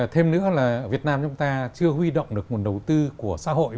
thêm nữa là việt nam chúng ta chưa huy động được nguồn đầu tư của xã hội